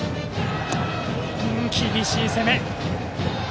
厳しい攻めです。